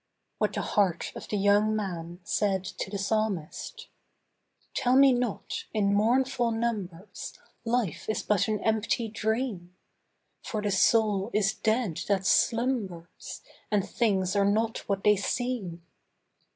■WHAT THE HEART OF THE YOUNG MAN SAID TO THE PSALMIST. Tell me not, in mournful numbers, Life is but an empty dream ! For the soul is dead that slumbers. And things are not what they seem.